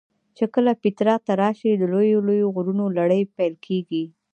چې کله پیترا ته راشې د لویو لویو غرونو لړۍ پیل کېږي.